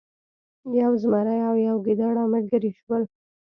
یو زمری او یو ګیدړه ملګري شول.